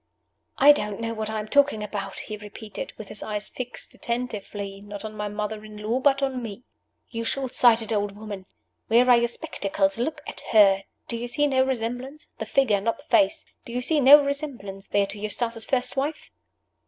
"I don't know what I am talking about?" he repeated, with his eyes fixed attentively, not on my mother in law, but on me. "You shortsighted old woman! where are your spectacles? Look at her! Do you see no resemblance the figure, not the face! do you see no resemblance there to Eustace's first wife?"